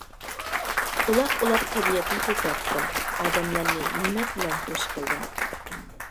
ئۇلاق ئۇلاپ تەبىئەتنى كۆكەرتتىم. ئادەملەرنى نىمەت بىلەن خۇش قىلدىم.